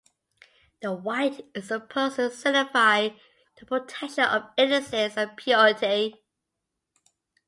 The white is supposed to signify the protection of innocence and purity.